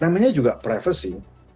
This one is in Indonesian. namanya juga privasi